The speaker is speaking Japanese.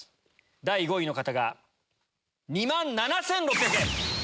第５位の方が２万７６００円。